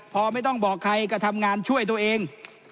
พอไม่ต้องบอกใครก็ทำงานช่วยตัวเอง